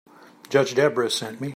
Judge Debra sent me.